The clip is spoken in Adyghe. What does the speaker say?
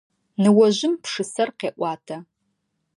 Ныожъым пшысэр къеӏуатэ.